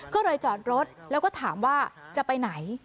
ก็เลยจอดรถแล้วก็ถามว่าจะไปไหน